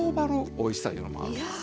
おいしさいうのもあるんですよ。